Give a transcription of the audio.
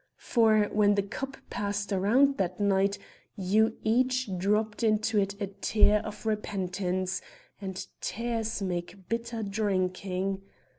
For, when the cup passed round that night, you each dropped into it a tear of repentance, and tears make bitter drinking.